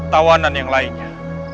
tawanan yang lainnya